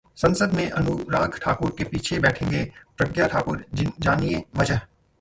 संसद में अनुराग ठाकुर के पीछे बैठेंगी प्रज्ञा ठाकुर, जानिए वजह